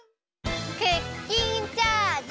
クッキンチャージ！